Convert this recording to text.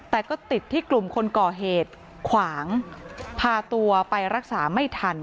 แต่ก็ติดที่กลุ่มคนก่อเหตุขวางพาตัวไปรักษาไม่ทัน